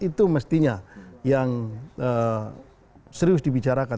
itu mestinya yang serius dibicarakan